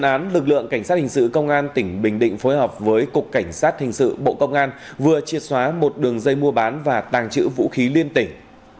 trong án lực lượng cảnh sát hình sự công an tỉnh bình định phối hợp với cục cảnh sát hình sự bộ công an vừa triệt xóa một đường dây mua bán và tàng trữ vũ khí liên tỉnh